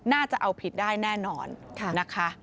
น่าจะเอาผิดได้แน่นอนนะคะ